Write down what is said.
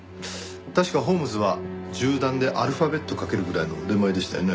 確かホームズは銃弾でアルファベット書けるぐらいの腕前でしたよね。